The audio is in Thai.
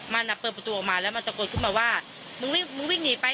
มันเปิดประตูออกมาแล้วมันตะโกนขึ้นมาว่ามึงวิ่งมึงวิ่งหนีไป